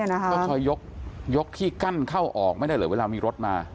ก็คอยยกที่กั้นเข้าออกไม่ได้เลยเวลามีรถมา